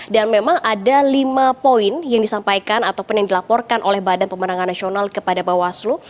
dan memang ada lima poin yang disampaikan ataupun yang dilaporkan oleh badan pemenangan nasional kepada bawaslu